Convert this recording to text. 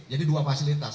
jadi dua fasilitas